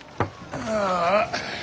ああ。